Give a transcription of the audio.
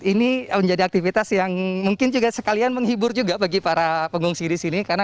ini menjadi aktivitas yang mungkin juga sekalian menghibur juga bagi para pengungsi di sini karena